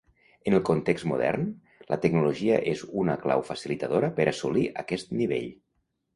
En el context modern, la tecnologia és una clau facilitadora per assolir aquest nivell.